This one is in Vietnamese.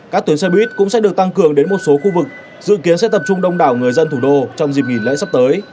các tuyến xe buýt cũng sẽ được tăng cường đến một số khu vực dự kiến sẽ tập trung đông đảo người dân thủ đô trong dịp nghỉ lễ sắp tới